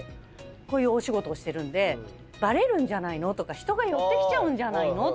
こういうお仕事をしてるんでバレるんじゃないのとか人が寄ってきちゃうんじゃないって。